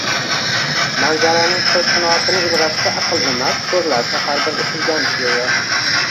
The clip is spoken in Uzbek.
manzaraning sir-sinoatini ilg‘ashga aqllar emas – ko‘zlar safarbar etilgandi go‘yo.